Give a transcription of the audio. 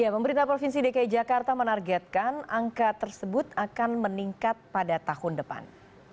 pemerintah provinsi dki jakarta menargetkan angka tersebut akan meningkat pada tahun depan